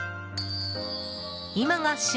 今が旬！